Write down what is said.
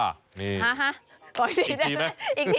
อีกทีได้มั้ย